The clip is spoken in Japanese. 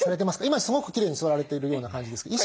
今すごくきれいに座られているような感じですけど。